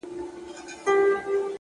ما په قرآن کي د چا ولوستی صفت شېرينې”